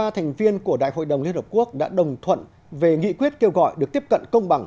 một trăm chín mươi ba thành viên của đại hội đồng liên hợp quốc đã đồng thuận về nghị quyết kêu gọi được tiếp cận công bằng